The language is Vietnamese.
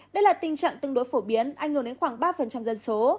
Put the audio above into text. đây là tình trạng tương đối phổ biến ảnh hưởng đến khoảng ba dân số